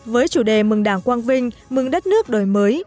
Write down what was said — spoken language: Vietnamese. với chủ đề mừng đảng quang vinh mừng đất nước đổi mới